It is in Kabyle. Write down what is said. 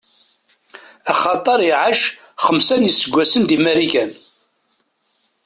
Axaṭer iɛac xemsa n iseggasen di Marikan.